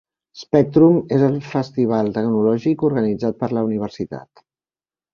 Spectrum és el festival tecnològic organitzat per la universitat.